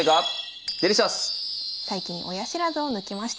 最近親知らずを抜きました。